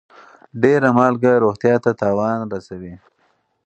ډيره مالګه روغتيا ته تاوان رسوي.